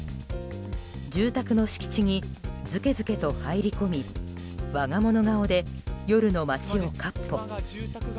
住宅の敷地にずけずけと入り込み我が物顔で夜の街を闊歩。